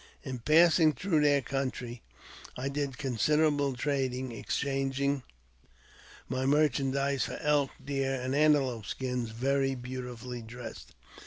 In passing through their country I did considerable trading, exchanging my merchandize for elk, deer, and antelope skins, very beautifully dressed.